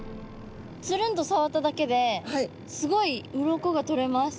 つるんと触っただけですごい鱗がとれます。